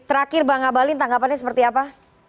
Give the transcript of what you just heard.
terakhir bang abalin tanggapannya seperti apa